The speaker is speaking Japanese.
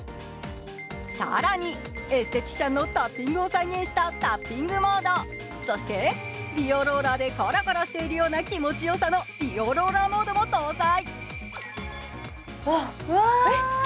更に、エステティシャンのタッピングを再現したタッピングモード、そして、美容ローラーでコロコロしているような気持ちよさの美容ローラーモードも搭載。